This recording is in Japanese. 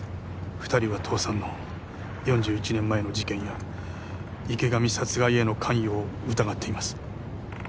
２人は父さんの４１年前の事件や池上殺害への関与を疑っています